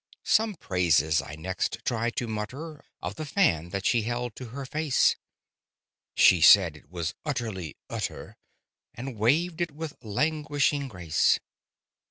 Some praises I next tried to mutter Of the fan that she held to her face; She said it was "utterly utter," And waved it with languishing grace.